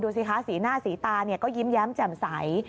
สิคะสีหน้าสีตาก็ยิ้มแย้มแจ่มใส